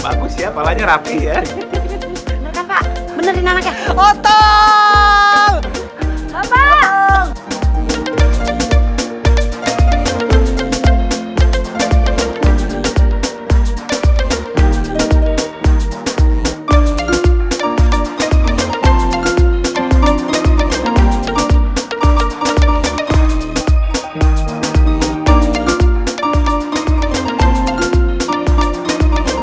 bagus ya palanya rapi ya benerin otong